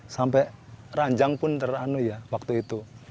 sampai ranjang pun teranu ya waktu itu